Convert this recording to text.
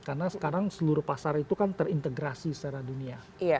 karena sekarang seluruh pasar itu kan terintegrasi secara dunia